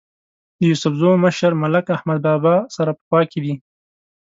د یوسفزو مشر ملک احمد بابا سره په خوا کې دی.